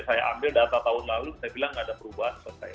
saya ambil data tahun lalu saya bilang nggak ada perubahan selesai